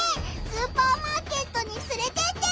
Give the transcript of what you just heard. スーパーマーケットにつれてってくれ！